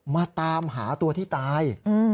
มาตามหาตัวที่ตาย